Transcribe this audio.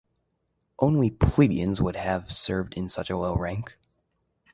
Only Plebeians would have served in such a low rank.